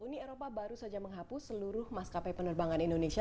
uni eropa baru saja menghapus seluruh maskapai penerbangan indonesia